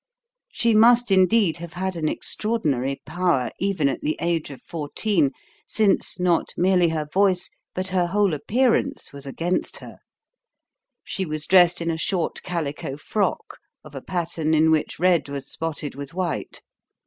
She must, indeed, have had an extraordinary power even at the age of fourteen, since not merely her voice but her whole appearance was against her. She was dressed in a short calico frock of a pattern in which red was spotted with white.